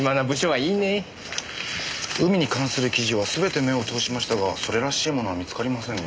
海に関する記事はすべて目を通しましたがそれらしいものは見つかりませんね。